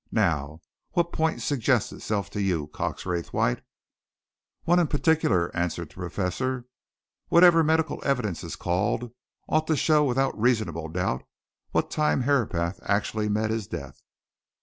Now, what point suggests itself to you, Cox Raythwaite?" "One in particular," answered the Professor. "Whatever medical evidence is called ought to show without reasonable doubt what time Herapath actually met his death."